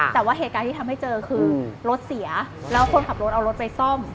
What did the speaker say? แต่ว่าเหตุการณ์ที่ทำให้เจอคือรถเสียแล้วคนขับรถเอารถไปซ่อม